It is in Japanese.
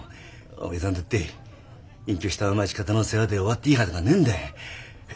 お前さんだって隠居した町方の世話で終わっていいはずがねえんだい。